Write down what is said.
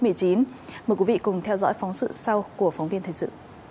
mời quý vị cùng theo dõi phóng sự sau của phóng viên thời sự